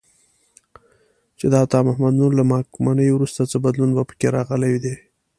چې د عطا محمد نور له واکمنۍ وروسته څه بدلون په کې راغلی دی.